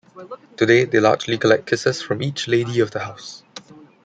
Today, they largely collect kisses from each lady of the house.